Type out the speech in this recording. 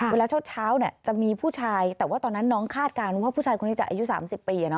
เวลาเช้าจะมีผู้ชายแต่ว่าตอนนั้นน้องคาดการณ์ว่าผู้ชายคนนี้จะอายุ๓๐ปี